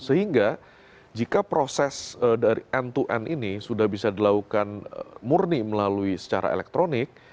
sehingga jika proses dari end to end ini sudah bisa dilakukan murni melalui secara elektronik